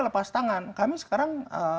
lepas tangan kami sekarang